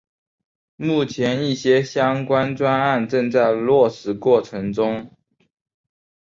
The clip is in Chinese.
目前一些相关专案正在落实过程中。